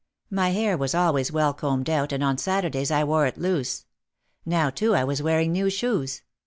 My hair was always well combed out and on Saturdays I wore it loose. Now too I was wearing new shoes.